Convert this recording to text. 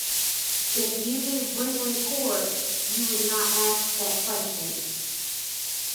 If you knew Brinkley Court, you would not ask that question.